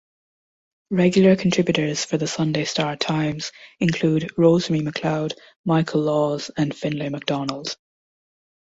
Regular contributors for the "Sunday Star-Times" include Rosemary McLeod, Michael Laws, and Finlay MacDonald.